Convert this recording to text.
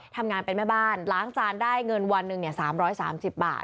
ทำงานเป็นแม่บ้านล้างจานได้เงินวันหนึ่ง๓๓๐บาท